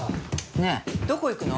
ねえどこ行くの？